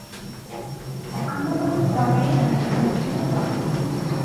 আল্লাহ পাকের দরবারে আমি আপনার জন্য দোয়া করি।